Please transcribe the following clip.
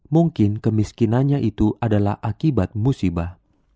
mungkin kemiskinannya itu adalah akibat musibah